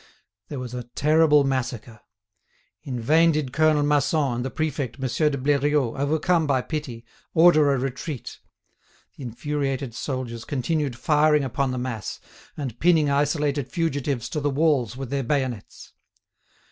There was a terrible massacre. In vain did Colonel Masson and the prefect, Monsieur de Bleriot, overcome by pity, order a retreat. The infuriated soldiers continued firing upon the mass, and pinning isolated fugitives to the walls with their bayonets.